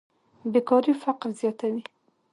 بېکاري فقر زیاتوي.